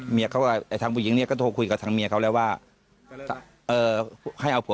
เมียเขากระจางผู้หญิงเนี่ยก็โทรคุยกับสังเมียเขาแล้วว่า